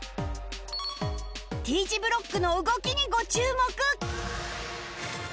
Ｔ 字ブロックの動きにご注目